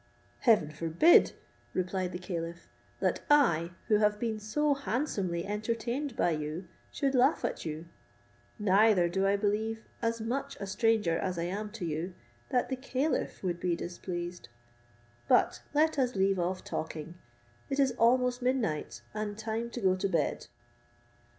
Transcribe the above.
"Heaven forbid," replied the caliph, "that I, who have been so handsomely entertained by you, should laugh at you; neither do I believe, as much a stranger as I am to you, that the caliph would be displeased: but let us leave off talking; it is almost midnight, and time to go to bed."